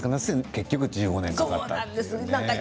結局１５年かかったんですね。